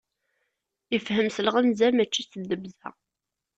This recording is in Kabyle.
Ifhem s lɣemza, mačči s ddebza.